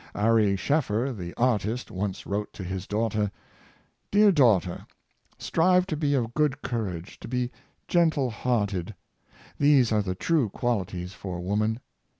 Ary Scheffer, the artist, once wrote to his daughter: *' Dear daughter, strive to be of good cour age, to be gentle hearted; these are the true qualities for woman.